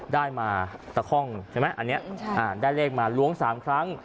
ได้มาตะค่องใช่ไหมอันนี้ได้เลขมาล้วง๓ครั้ง